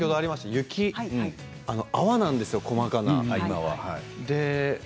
雪泡なんですよ、細かな。